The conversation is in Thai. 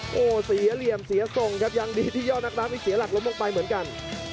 โอ้โหเสียเหลี่ยมเสียทรงครับยังดีที่ยอดนักรักนี่เสียหลักล้มลงไปเหมือนกัน